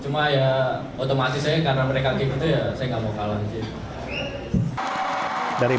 cuma ya otomatis aja karena mereka kayak gitu ya saya nggak mau kalah gitu